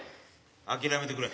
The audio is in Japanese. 諦めてくれ。